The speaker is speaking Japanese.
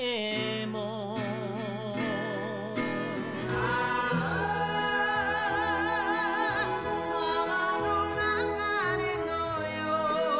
「ああ川の流れのように」